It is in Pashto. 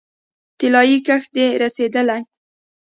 طلايي کښت دې رسیدلی